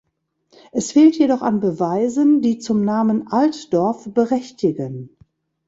Es fehlt jedoch an Beweisen, die zum Namen Altdorf berechtigen.